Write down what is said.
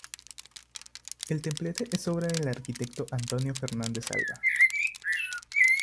El templete es obra del arquitecto Antonio Fernández Alba.